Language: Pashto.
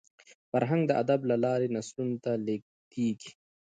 فرهنګ د ادب له لاري نسلونو ته لېږدېږي.